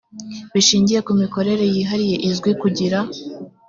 bishingiye ku mikorere yihariye izwi kugira